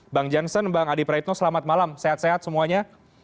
bang jansen bang adi praitno selamat malam sehat sehat semuanya